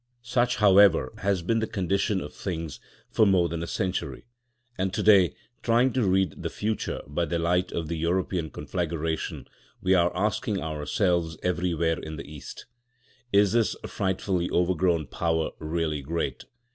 Such, however, has been the condition of things for more than a century; and to day, trying to read the future by the light of the European conflagration, we are asking ourselves everywhere in the East: "Is this frightfully overgrown power really great?